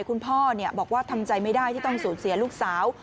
คุณพ่อบอกว่าทำใจไม่ได้ที่ต้องสูญเสียลูกสาว